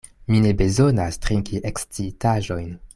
Mi ne bezonas trinki ekscitaĵojn.